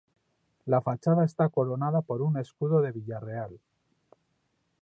La fachada está coronada por un escudo de Villarreal.